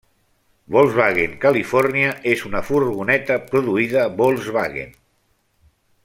Volkswagen Califòrnia és una furgoneta produïda Volkswagen.